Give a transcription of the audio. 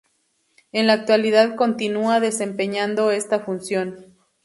En la actualidad continúa desempeñando esta función.